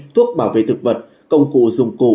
thuốc bảo vệ thực vật công cụ dùng cụ